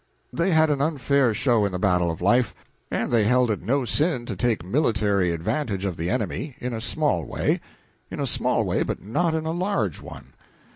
They had an unfair show in the battle of life, and they held it no sin to take military advantage of the enemy in a small way; in a small way, but not in a large one.